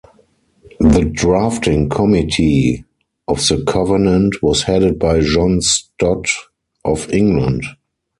The drafting committee of the covenant was headed by John Stott of England.